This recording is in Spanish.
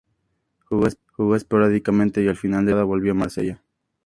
Jugó esporádicamente y al final de la temporada volvió a Marsella.